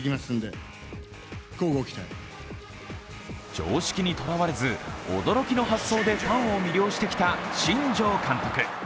常識にとらわれず、驚きの発想でファンを魅了してきた新庄監督。